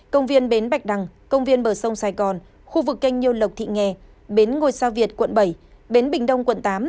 công viên bến bạch đăng công viên bờ sông sài gòn khu vực canh nhiêu lộc thị nghè bến ngôi sa việt quận bảy bến bình đông quận tám